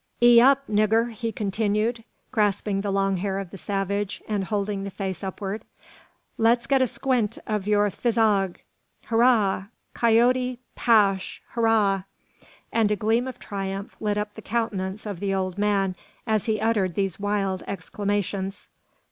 'Ee up, niggur," he continued, grasping the long hair of the savage, and holding the face upward; "let's get a squint of your phisog. Hooraw! Coyote 'Pash! Hooraw!" And a gleam of triumph lit up the countenance of the old man as he uttered these wild exclamations.